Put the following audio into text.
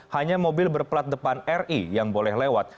hanya mobil berplat depan ri yang boleh lewat